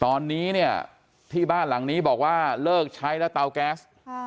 ตอนนี้เนี่ยที่บ้านหลังนี้บอกว่าเลิกใช้แล้วเตาแก๊ส